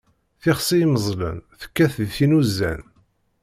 Tixsi immezlen, tekkat di tin uzan.